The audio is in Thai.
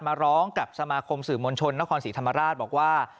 มาร้องกับสมาคมสื่อมวลชนนครศรีธรรมราชบอกว่า